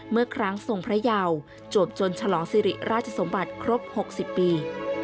เมื่อครั้งทรงพระยาวจวบจนฉลองสิริราชสมบัติครบ๖๐ปี